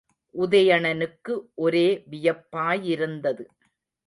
உதயணனுக்கு ஒரே வியப்பாயிருந்தது.